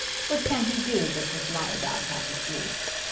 What can he do but just lie about half asleep?